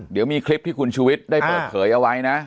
เดี๋ยวมีคลิปที่คุณชูวิทย์ได้เปิดเผยเอาไว้นะ